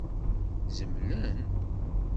Zemlen?